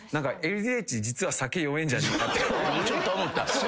ちょっと思った。